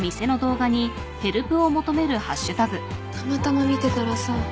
たまたま見てたらさ。